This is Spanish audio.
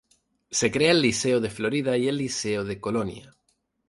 Se crea el Liceo de Florida y Liceo de Colonia.